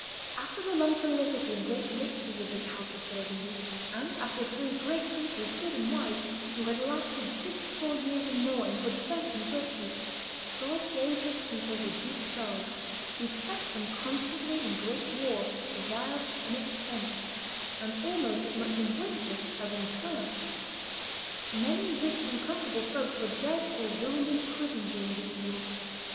... After the long felicity and great riches of this house of Burgundy, and after three great princes, good and wise, who had lasted six score years and more in good sense and virtue, God gave this people the Duke Charles, who kept them constantly in great war, travail, and expense, and almost as much in winter as in summer. Many rich and comfortable folks were dead or ruined in prison during these wars.